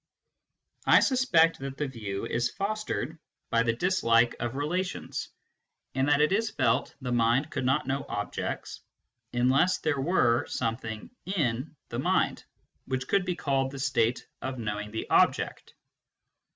I suspect that the view is fostered by the dislike of relations7)and that it is felt the mind could not know objects unless there were something "in " the mind which could be called the state of knowing the object.